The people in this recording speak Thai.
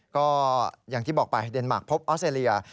ก็อย่างที่บอกไปเดนมาร์คพบออสเตรเลีย